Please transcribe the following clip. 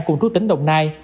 cùng trú tỉnh đồng nai